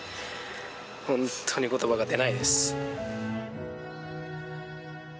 ホントに言葉が出ないです